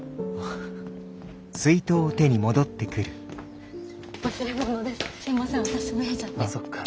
あそっか。